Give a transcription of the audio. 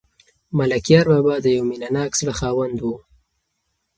ملکیار بابا د یو مینه ناک زړه خاوند و.